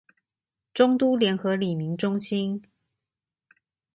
中都聯合里民中心